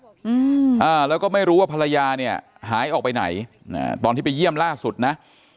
อืมอ่าแล้วก็ไม่รู้ว่าภรรยาเนี่ยหายออกไปไหนอ่าตอนที่ไปเยี่ยมล่าสุดนะ